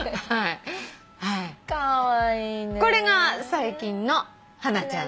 これが最近のハナちゃん。